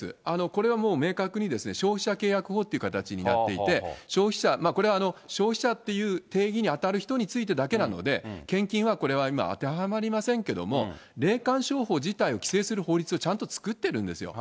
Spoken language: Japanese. これはもう、明確に消費者契約法という形になっていて、これは消費者という定義に当たる人についてだけなので、献金はこれは今当てはまりませんけれども、霊感商法自体を規制する法律をちゃんと作ってるんですよ。